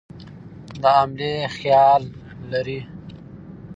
د حملې خیال لري.